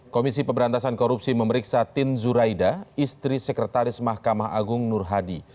komisi pemberantasan korupsi memeriksa tin zuraida istri sekretaris mahkamah agung nur hadi